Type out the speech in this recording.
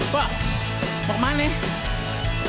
pak permana ya